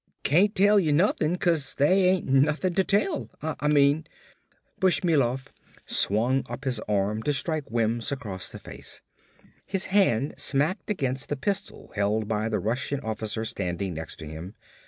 "Cain't tell you nuthin' cause they ain't nuthin' to tell, Ah mean!" Bushmilov swung up his arm to strike Wims across the face. His hand smacked against the pistol held by the Russian officer standing next to him.